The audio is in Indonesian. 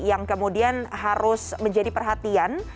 yang kemudian harus menjadi perhatian